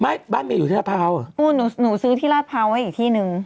ไม่บ้านเมษฐ์อยู่ที่ราดเภาอ่ะอุ้ยหนูซื้อที่ราดเภาไว้อีกที่นึง